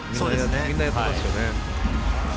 みんなやってますよね。